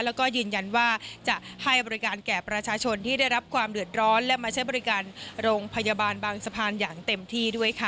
แล้วก็ยืนยันว่าจะให้บริการแก่ประชาชนที่ได้รับความเดือดร้อนและมาใช้บริการโรงพยาบาลบางสะพานอย่างเต็มที่ด้วยค่ะ